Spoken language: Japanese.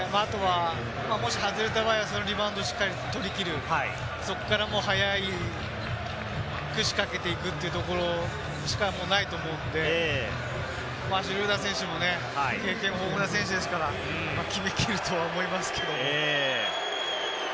もし外れた場合はリバウンドをしっかり取り切る、そこから早く仕掛けていくというところしかないと思うので、シュルーダー選手もね、経験豊富な選手ですから、決めきるとは思いますけれども。